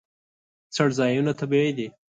څړځایونه طبیعي دي.